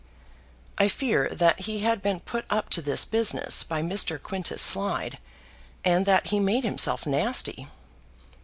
I fear that he had been put up to this business by Mr. Quintus Slide, and that he made himself nasty.